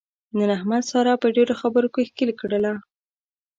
نن احمد ساره په ډېرو خبرو کې ښکېل کړله.